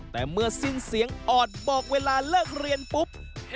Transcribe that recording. แต่เมื่อสิ้นเสียงออดบอกเวลาเลิกเรียนปุ๊บ